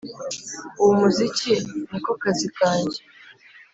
Ubu umuziki ni ko kazi kange,